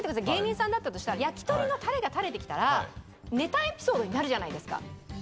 芸人さんだったとしたら焼き鳥のタレが垂れてきたらネタエピソードになるじゃないですか。